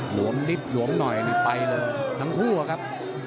หลวมนิดหลวมน้อยไปเลยทั้งคู่หรอครับ